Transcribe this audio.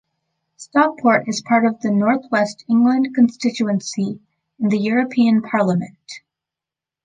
Stockport is part of the North West England constituency in the European Parliament.